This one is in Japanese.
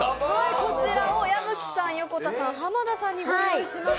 こちらを矢吹さん、横田さん浜田さんにご用意しました。